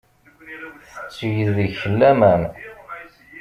Tetteg deg-k laman.